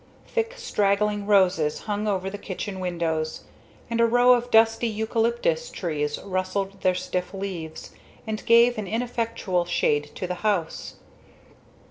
Thick straggling roses hung over the kitchen windows, and a row of dusty eucalyptus trees rustled their stiff leaves, and gave an ineffectual shade to the house.